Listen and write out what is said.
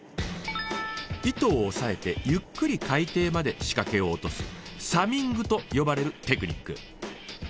糸を押さえてゆっくり海底まで仕掛けを落とす「サミング」と呼ばれるテクニック。